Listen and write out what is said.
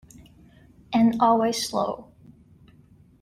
And always slow.